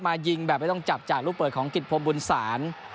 มายิงแบบไม่ต้องจับจากลูกแปลจ่าของกิธพรพมภ์บุญศาล